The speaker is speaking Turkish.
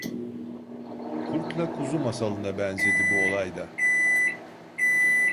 Kurtla Kuzu masalına benzedi bu olay da....